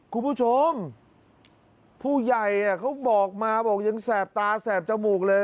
คุณผู้ชมผู้ใหญ่เขาบอกมาบอกยังแสบตาแสบจมูกเลย